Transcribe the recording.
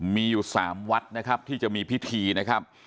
มีอยู่๓วัดนะครับที่จะมีพิธีนะครับ